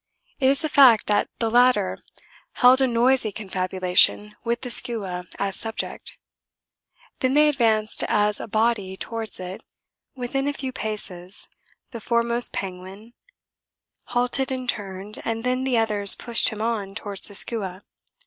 It is a fact that the latter held a noisy confabulation with the skua as subject then they advanced as a body towards it; within a few paces the foremost penguin halted and turned, and then the others pushed him on towards the skua.